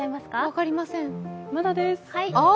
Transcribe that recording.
分かりません、まだです。